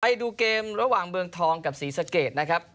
ไปดูเกมระหว่างเมืองทองกับศรีสะเกดนะครับ